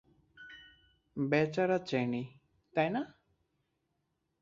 বেচারা চেনি, তাই না?